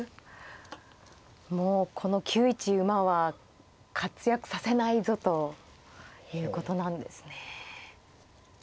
もうこの９一馬は活躍させないぞということなんですね。